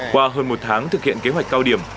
qua hơn một tháng thực hiện kế hoạch cao điểm